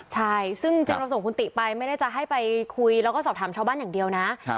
ใช่ซึ่งจริงเราส่งคุณติไปไม่ได้จะให้ไปคุยแล้วก็สอบถามชาวบ้านอย่างเดียวนะ